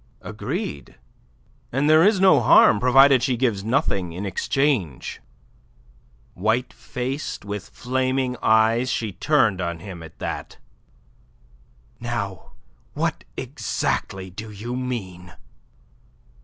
"Agreed; and there is no harm, provided she gives nothing in exchange." White faced, with flaming eyes she turned on him at that. "Now, what exactly do you mean?"